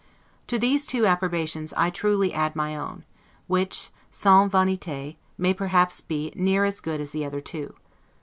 To these two approbations I truly add my own, which, 'sans vanite', may perhaps be near as good as the other two.